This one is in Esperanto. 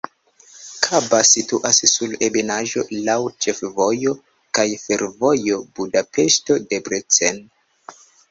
Kaba situas sur ebenaĵo, laŭ ĉefvojo kaj fervojo Budapeŝto-Debrecen.